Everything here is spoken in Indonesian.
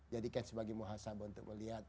jadikan sebagai muhasabah untuk melihat